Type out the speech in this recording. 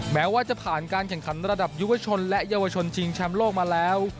แม้ว่าจะผ่านการแข่งขันระดับยุวชนและเยาวชนชิงแชมป์โลกมาแล้ว